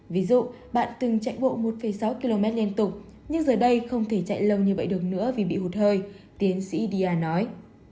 ví dụ bạn từng chạy bộ một sáu km liên tục nhưng giờ đây không thể chạy lâu như vậy được nữa vì bị hụt hơi tiến sĩ dia nói